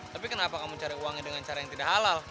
tapi kenapa kamu cari uangnya dengan cara yang tidak halal